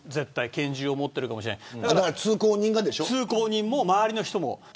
拳銃を持ってるかもしれない通行人も周りの人も。